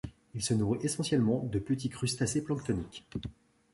Il se nourrit essentiellement de petits crustacés planctoniques.